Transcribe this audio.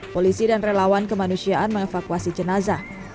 polisi dan relawan kemanusiaan mengevakuasi jenazah